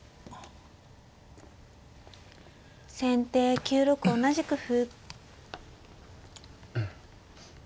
先手９六同じく歩。